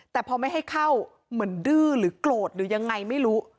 แต่พอไม่ให้เข้าเหมือนดื้อหรือโกรธหรือยังไงไม่รู้